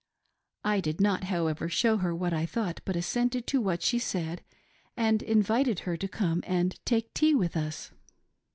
I did not, however, show her what I thought, but assented to what she said, and invited her to come and take tea with us.